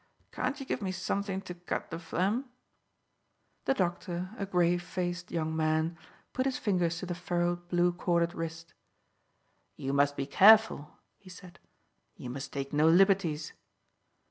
Can't you give me something to cut the phlegm?" The doctor, a grave faced young man, put his fingers to the furrowed, blue corded wrist. "You must be careful," he said. "You must take no liberties."